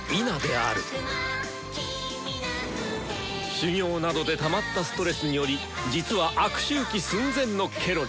修行などでたまったストレスにより実は悪周期寸前のケロリ。